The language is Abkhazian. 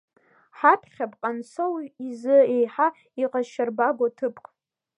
Ҳаԥхьап Ҟансоу изы еиҳа иҟазшьарбагоу ҭыԥк…